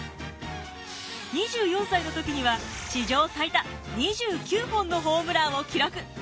２４歳の時には史上最多２９本のホームランを記録。